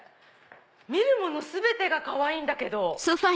見るもの全てがかわいいんだけど。